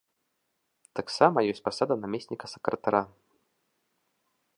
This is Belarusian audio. Таксама ёсць пасада намесніка сакратара.